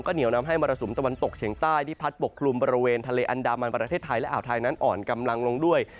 เหนียวนำให้มรสุมตะวันตกเฉียงใต้ที่พัดปกคลุมบริเวณทะเลอันดามันประเทศไทยและอ่าวไทยนั้นอ่อนกำลังลงด้วย